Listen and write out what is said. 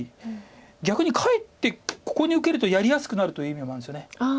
逆にかえってここに受けるとやりやすくなるという意味もあるんですよね。